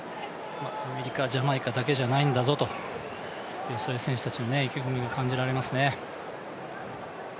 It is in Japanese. アメリカ、ジャマイカだけじゃないぞというそういう選手たちの意気込みが感じられますね。